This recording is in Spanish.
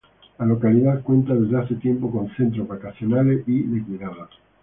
La localidad cuenta desde hace tiempo con centros vacacionales y de cuidados.